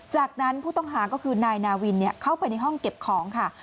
จากนั้นผู้ต้องหาก็คือนายนาวินเข้าไปในห้องเก็บของค่ะ